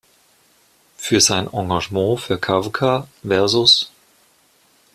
Für sein Engagement für Kavka vs.